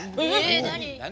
何？